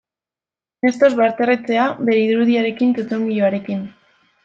Nestor Basterretxea bere irudiaren txotxongiloarekin.